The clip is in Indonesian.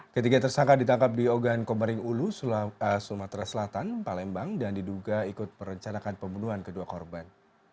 ketiga tersangka ditangkap di ogan komering ulu sumatera selatan palembang dan diduga ikut perencanakan pembunuhan kedua korban